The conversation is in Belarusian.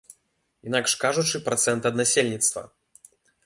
Інакш кажучы, працэнт ад насельніцтва.